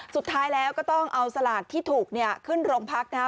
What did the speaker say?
สุดท้ายแล้วก็ต้องเอาสลากที่ถูกเนี่ยขึ้นโรงพักนะฮะ